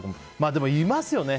でも、いますよね。